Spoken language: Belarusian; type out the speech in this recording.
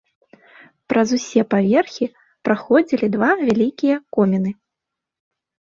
Праз усе паверхі праходзілі два вялікія коміны.